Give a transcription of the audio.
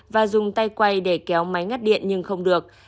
và dùng tay quay để kéo máy ngắt điện nhưng không được